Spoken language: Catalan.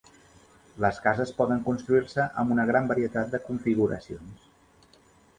Les cases poden construir-se amb una gran varietat de configuracions.